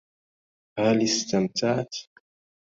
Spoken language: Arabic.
هل استمتعت؟